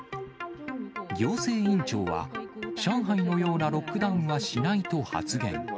行政院長は、上海のようなロックダウンはしないと発言。